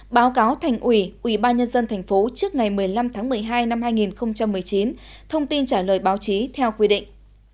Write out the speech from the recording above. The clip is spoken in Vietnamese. báo cáo thành ủy ubnd tp trước ngày một mươi năm tháng một mươi hai năm hai nghìn một mươi chín thông tin trả lời báo chí theo quy định